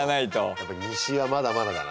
やっぱ西はまだまだだな。